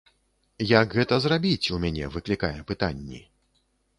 Як гэта зрабіць, у мяне выклікае пытанні.